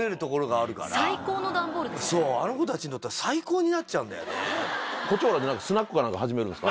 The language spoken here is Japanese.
そうあの子たちにとっては最高になっちゃうんだよね。